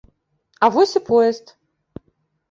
А вось і поезд.